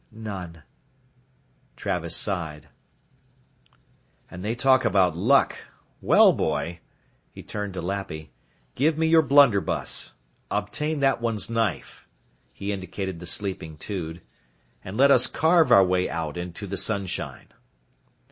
"None." Travis sighed. "And they talk about luck. Well boy," he turned to Lappy, "give me your blunderbuss. Obtain that one's knife" he indicated the sleeping Tude "and let us carve our way out into the sunshine."